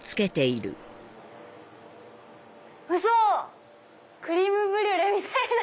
ウソ⁉クレームブリュレみたい！